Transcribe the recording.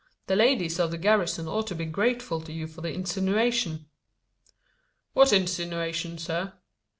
The ladies of the garrison ought to be grateful to you for the insinuation." "What insinuation, sir?"